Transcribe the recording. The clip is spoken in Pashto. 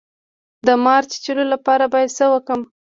د مار د چیچلو لپاره باید څه وکړم؟